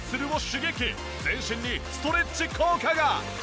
全身にストレッチ効果が！